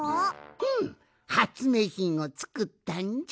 ふむはつめいひんをつくったんじゃ。